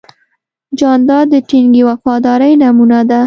جانداد د ټینګې وفادارۍ نمونه ده.